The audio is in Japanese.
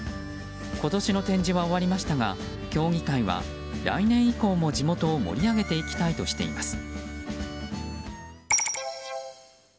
今年の展示は終わりましたが協議会は来年以降も地元を盛り上げていきたいとしています。